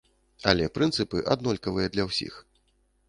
Але прынцыпы аднолькавыя для ўсіх.